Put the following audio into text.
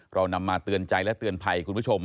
เรานำมาเตือนใจและเตือนภัยคุณผู้ชม